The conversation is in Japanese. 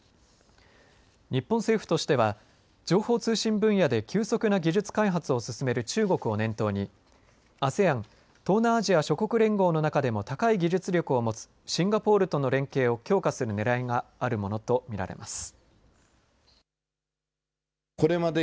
日本政府としては情報通信分野で急速な技術開発を進める中国を念頭にＡＳＥＡＮ東南アジア諸国連合の中でも高い技術力を持つシンガポールとの連携を強化するねらいがあるものと見られます。